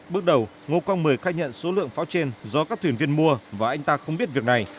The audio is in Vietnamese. bước đầu ngo quang một mươi khai nhận số lượng pháo trên do các thuyền viên mua và anh ta không biết việc này